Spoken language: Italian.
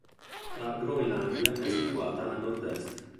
La Groenlandia è situata a nord-est.